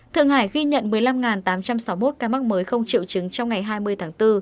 thượng hải ghi nhận một mươi năm tám trăm sáu mươi một ca mắc mới không triệu chứng trong ngày hai mươi tháng bốn